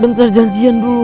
bentar janjian dulu